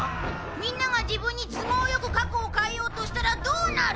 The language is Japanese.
みんなが自分に都合良く過去を変えようとしたらどうなる？